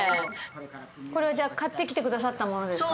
これじゃあ買ってきてくださったものですか？